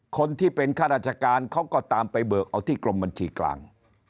คนที่เป็นข้าราชการเขาก็ตามไปเบิกเอาที่กรมบัญชีกลาง